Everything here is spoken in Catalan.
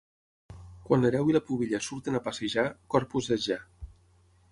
Quan l'Hereu i la Pubilla surten a passejar, Corpus és ja.